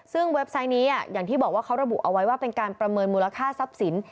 ซึ่งเว็บไซต์นี้อย่างที่บอกว่าเขาระบุเอาไว้ว่าเป็นการประเมินมูลค่าทรัพย์สิน